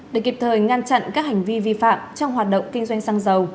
để kịp thời ngăn chặn các hành vi vi phạm trong hoạt động kinh doanh xăng dầu